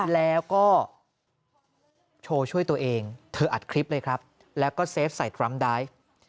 แล้วก็โชว์ช่วยตัวเองเธออัดคลิปเลยครับแล้วก็เซฟใส่ทรัมป์ได้